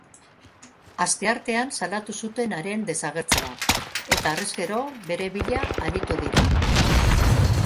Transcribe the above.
Asteartean salatu zuten haren desagertzea eta harrezkero bere bila aritu dira.